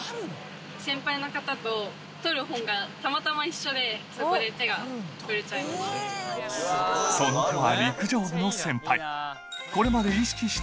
先輩の方と、取る本がたまたま一緒で、そこで手が触れちゃいました。